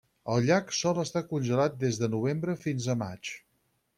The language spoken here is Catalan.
El llac sol estar congelat des de novembre fins a maig.